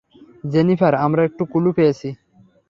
Jennifer, আমরা একটা clue পেয়েছি।